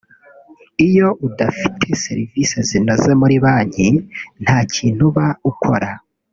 Iyo udafite serivisi zinoze muri banki nta kintu uba ukora